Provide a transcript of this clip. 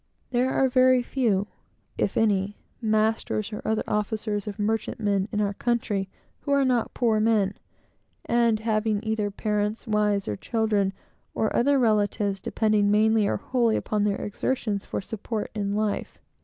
There are very few, if any masters or other officers of merchantmen in our country, who are not poor men, and having either parents, wives, children, or other relatives, depending mainly or wholly upon their exertions for support in life.